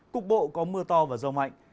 cục bộ có mưa to và rông mạnh